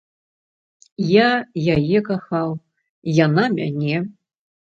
Я яе кахаў, яна мяне.